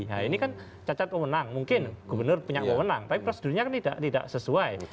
nah ini kan cacat wawenang mungkin gubernur punya wawenang tapi prosedurnya kan tidak sesuai